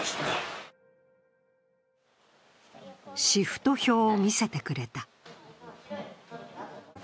シフト表を見せてくれた。